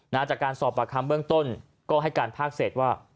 นั้นจากการสอบประคำเบื้องต้นก็ให้การพากย์เสร็จว่า